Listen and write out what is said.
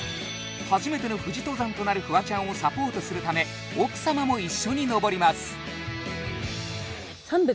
初めての富士登山となるフワちゃんをサポートするため奥様も一緒に登ります